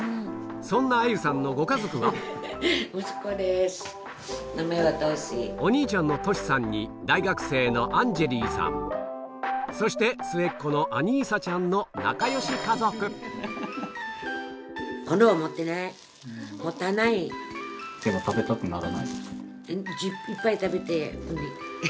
そんなあゆさんのご家族がお兄ちゃんのトシさんに大学生のアンジェリーさんそして末っ子のアニーサちゃんのさよなら。